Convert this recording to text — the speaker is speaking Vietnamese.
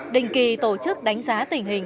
đình kỳ tổ chức đánh giá tình hình